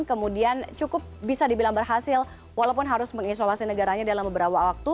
kemudian cukup bisa dibilang berhasil walaupun harus mengisolasi negaranya dalam beberapa waktu